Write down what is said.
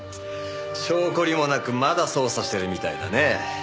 性懲りもなくまだ捜査してるみたいだね。